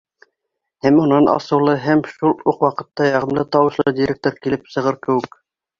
Һәм унан асыулы һәм шул уҡ ваҡытта яғымлы тауышлы директор килеп сығыр кеүек.